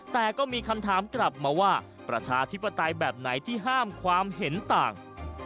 แต่ก็มีคำถามกลับมาว่าประชาธิปไตยแบบไหนที่ห้ามความเห็นต่าง